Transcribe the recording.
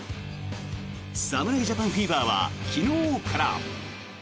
侍ジャパンフィーバーは昨日から。